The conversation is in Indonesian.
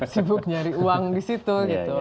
sibuk nyari uang di situ gitu